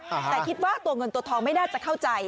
แต่คิดว่าตัวเงินตัวทองไม่น่าจะเข้าใจ